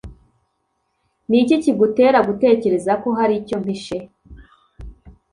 Niki kigutera gutekereza ko hari icyo mpishe?